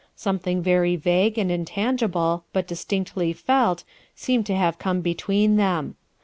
Something very vague and in tangible, but distinctly felt, seemed to have come between them.